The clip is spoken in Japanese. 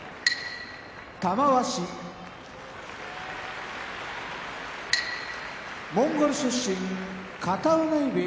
玉鷲モンゴル出身片男波部屋